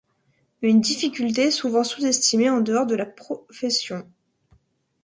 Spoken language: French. Une difficulté souvent sous-estimée en dehors de la profession.